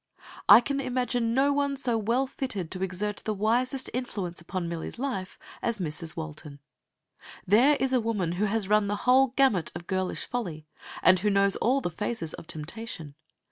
I can imagine no one so well fitted to exert the wisest influence upon Millie's life as Mrs. Walton. There is a woman who has run the whole gamut of girlish folly, and who knows all the phases of temptation.